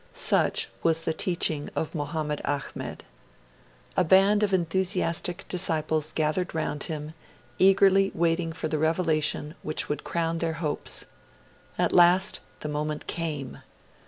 Such was the teaching of Mohammed Ahmed. A band of enthusiastic disciples gathered round him, eagerly waiting for the revelation which would crown their hopes. At last, the moment came.